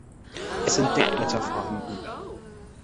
Es sind Deckblätter vorhanden.